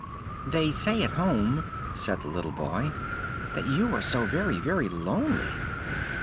"They say at home," said the little boy, "that you are so very, very lonely!"